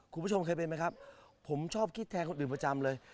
คุณผู้ชมเคยเป็นไหมครับผมชอบคิดแทนคนอื่นประจำเลย